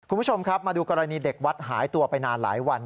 คุณผู้ชมครับมาดูกรณีเด็กวัดหายตัวไปนานหลายวัน